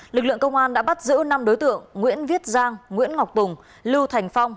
lực lượng công an đã bắt giữ năm đối tượng nguyễn viết giang nguyễn ngọc tùng lưu thành phong